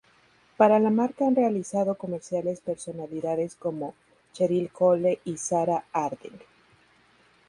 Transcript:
Para la marca han realizado comerciales personalidades como Cheryl Cole y Sarah Harding.